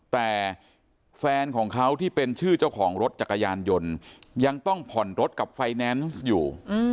แต่แฟนของเขาที่เป็นชื่อเจ้าของรถจักรยานยนต์ยังต้องผ่อนรถกับไฟแนนซ์อยู่